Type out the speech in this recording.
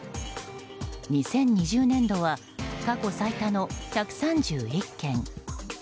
２０２０年度は過去最多の１３１件。